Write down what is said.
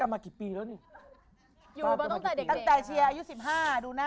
ไม่จริง